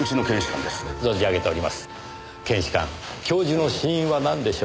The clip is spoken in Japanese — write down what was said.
検視官教授の死因はなんでしょう？